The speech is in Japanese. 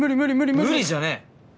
無理じゃねぇ！